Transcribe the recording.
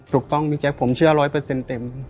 ถูกต้องพี่แจ๊คผมเชื่อ๑๐๐เต็ม